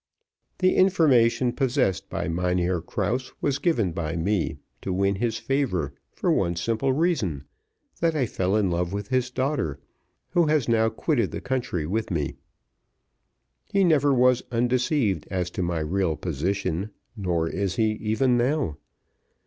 "The information possessed by Mynheer Krause was given by me, to win his favour for one simple reason, that I fell in love with his daughter, who has now quitted the country with me. He never was undeceived as to my real position, nor is he even now.